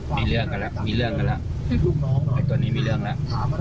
มีเรื่องกันแล้วมีเรื่องกันแล้วไอ้ตัวนี้มีเรื่องแล้ว